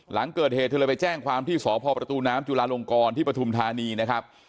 หลังเกิดเหตุเธอเลยไปแจ้งความที่สพประตูน้ำจุลาลงกรที่ปฐุมธานีนะครับ